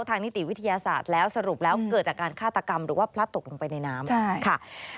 นิติวิทยาศาสตร์แล้วสรุปแล้วเกิดจากการฆาตกรรมหรือว่าพลัดตกลงไปในน้ำค่ะ